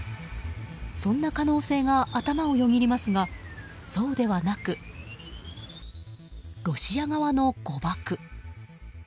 そんな可能性が頭をよぎりますがそうではなくロシア側の誤爆。